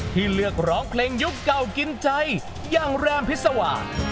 ที่เลือกร้องเพลงยุคเก่ากินใจอย่างแรมพิษวา